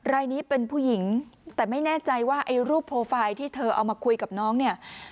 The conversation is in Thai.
รายนี้เป็นผู้หญิงแต่ไม่แน่ใจว่าไอ้รูปโปรไฟล์ที่เธอเอามาคุยกับน้องเนี่ย